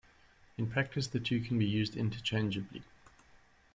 In practice the two can be used interchangeably.